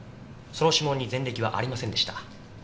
その指紋に前歴はありませんでした。